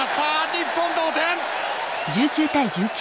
日本同点！